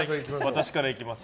私からいきます。